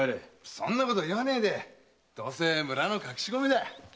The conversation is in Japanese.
そんなこと言わねえでどうせ村の隠し米だ。